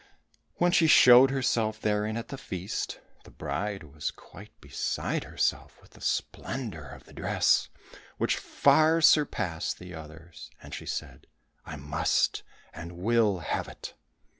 When she showed herself therein at the feast, the bride was quite beside herself with the splendour of the dress, which far surpassed the others, and she said, "I must, and will have it."